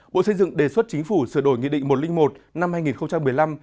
bộ xây dựng đề xuất chính phủ sửa đổi nghị định một trăm linh một năm hai nghìn một mươi năm